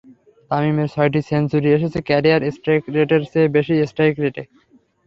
তামিমের ছয়টি সেঞ্চুরি এসেছে ক্যারিয়ার স্ট্রাইক রেটের চেয়ে বেশি স্ট্রাইক রেটে।